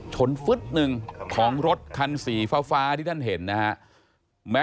ฟึ๊ดหนึ่งของรถคันสีฟ้าที่ท่านเห็นนะฮะ